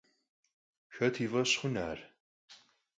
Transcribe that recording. Xet yi f'eş xhun ar?